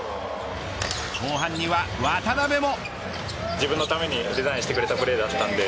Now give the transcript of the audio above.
後半には渡邊も。